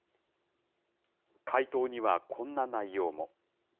回答にはこんな内容も。